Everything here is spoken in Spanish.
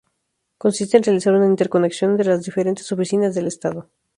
Consiste en realizar una interconexión entre las diferentes oficinas del estado.